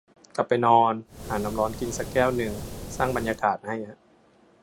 กลับไปนอน หาน้ำร้อนกินสักแก้วนึง สร้างบรรยากาศให้ฮะ